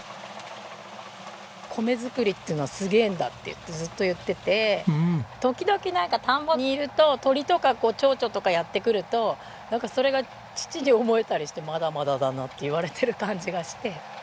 米作りってのはすげえんだってずっと言ってて時々なんか田んぼにいると鳥とか蝶々やって来るとそれが父に思えたりして「まだまだだな」って言われてる感じがして。